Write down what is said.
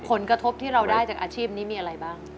ผลกระทบที่เราได้จากอาชีพนี้มีอะไรบ้าง